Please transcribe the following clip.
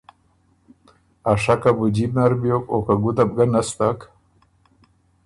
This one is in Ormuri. ا شکه بُو جیب نر بیوک او که ګُده بو ګۀ نستک